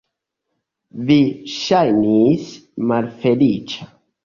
Vi ŝajnis malfeliĉa.